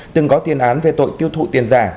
từng có tiền án về tội tiêu thụ tiền giả